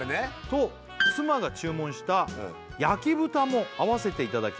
「と妻が注文した焼き豚も合わせていただき」